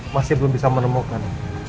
masih belum bisa menemukan